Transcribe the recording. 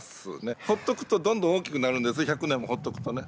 ほっとくとどんどん大きくなるんです１００年もほっとくとね。